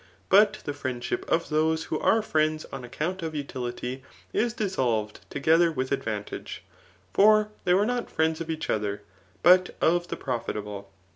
But the friendship of those who are friends on account of utility, is dissolved together with advantage ; for they were not friends of each other, but of the profitable.